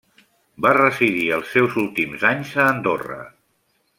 Va residir els seus últims anys a Andorra.